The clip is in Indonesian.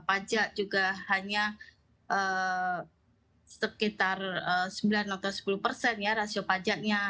pajak juga hanya sekitar sembilan atau sepuluh persen ya rasio pajaknya